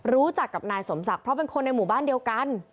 รู้จักกับนายสมศักดิ์เพราะเป็นคนในหมู่บ้านเดียวกัน